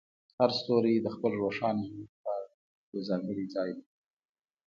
هر ستوری د خپل روښانه ژوند لپاره یو ځانګړی ځای لري.